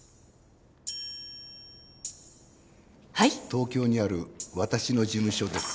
東京にある私の事務所です。